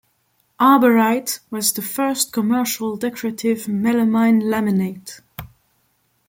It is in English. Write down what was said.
Arborite was the first commercial decorative melamine laminate.